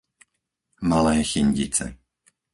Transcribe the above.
Malé Chyndice